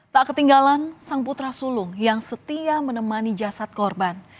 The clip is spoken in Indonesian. tak ketinggalan sang putra sulung yang setia menemani jasad korban